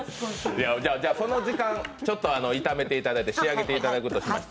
その時間、ちょっと炒めていただいて仕上げていただくとしまして。